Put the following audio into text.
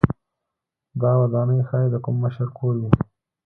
دا ودانۍ ښايي د کوم مشر کور و.